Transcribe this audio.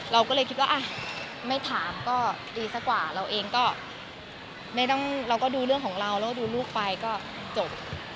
เราก็เลยคิดว่าไม่ถามก็ดีซะกว่าเราเองก็ไม่ต้องเราก็ดูเรื่องของเราแล้วก็ดูลูกไปก็จบ